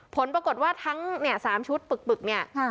ผลปรากฏว่าทั้งเนี้ยสามชุดปึกปึกเนี้ยอ่า